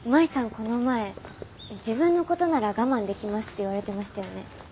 この前自分の事なら我慢できますって言われてましたよね。